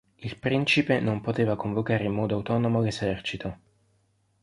Il principe non poteva convocare in modo autonomo l'esercito.